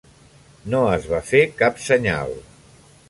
No es va fer cap senyal.